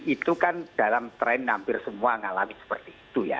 itu kan dalam tren hampir semua ngalami seperti itu ya